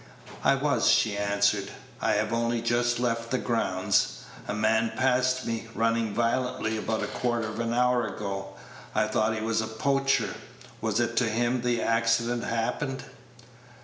"I was," she answered; "I have only just left the grounds. A man passed me, running violently, about a quarter of an hour ago. I thought he was a poacher. Was it to him the accident happened?"